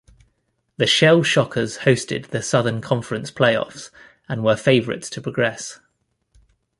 The Shell Shockers hosted the Southern Conference playoffs and were favorites to progress.